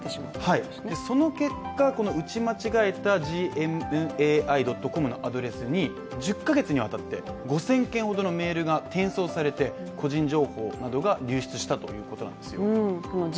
その結果、打ち間違えたｇｍａｉ．ｃｏｍのアドレスに１０か月にわたって５０００件ほどのメールが送信されて個人情報などが流出してしまったということなんですよ。